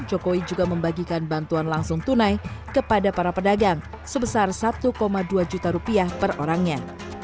jokowi juga membagikan bantuan langsung tunai kepada para pedagang sebesar satu dua juta rupiah per orangnya